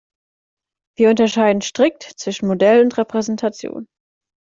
Wir unterscheiden strikt zwischen Modell und Repräsentation.